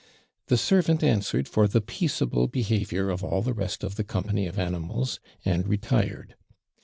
The servant answered for the peaceable behaviour of all the rest of the company of animals, and retired.